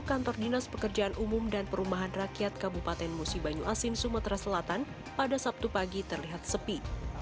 kantor dinas pekerjaan umum dan perumahan rakyat kabupaten musi banyu asin sumatera selatan pada sabtu pagi terlihat sepi